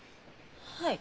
はい？